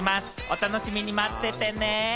お楽しみに待っててね。